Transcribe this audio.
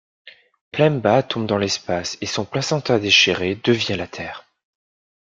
Pemba tombe dans l'espace et son placenta déchiré devient la terre.